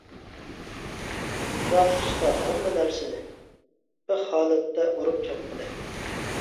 شۇنداق ئۇستا ھەممە نەرسىنى، بىخ ھالەتتە ئۇرۇپ چاپقىلى.